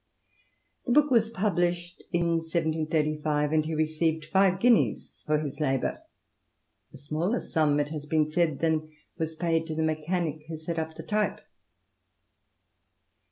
The book was pub lished in 1735, and he received five guineas for hia labour ; a smaller sum, it has been said, than " was paid to the mechanic who set up the type."